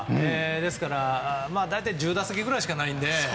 ですから、大体１０打席ぐらいしかないので。